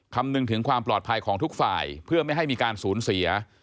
คำนึงถึงความปลอดภัยของทุกฝ่ายเพื่อไม่ให้มีการสูญเสีย